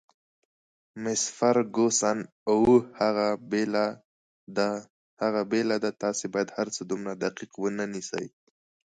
مس فرګوسن: اوه، هغه بېله ده، تاسي باید هرڅه دومره دقیق ونه نیسئ.